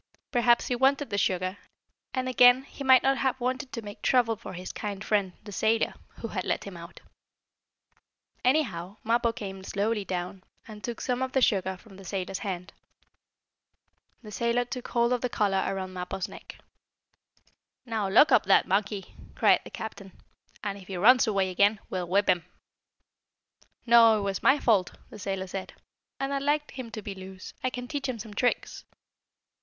Perhaps he wanted the sugar, and, again, he might not have wanted to make trouble for his kind friend, the sailor, who had let him out. Anyhow, Mappo came slowly down, and took some of the sugar from the sailor's hand. The sailor took hold of the collar around Mappo's neck. [Illustration: Away up to the top he went, and, curling his tail around a rope, there he sat. (Page 71)] "Now lock up that monkey!" cried the captain. "And if he runs away again, we'll whip him." "No, it was my fault," the sailor said. "And I'd like him to be loose. I can teach him some tricks."